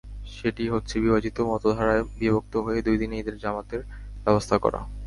সেটি হচ্ছে বিভাজিত মতধারায় বিভক্ত হয়ে দুই দিনে ঈদের জামাতের ব্যবস্থা করা।